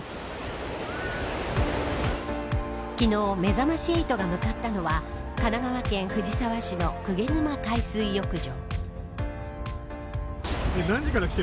昨日めざまし８が向かったのは神奈川県藤沢市の鵠沼海水浴場。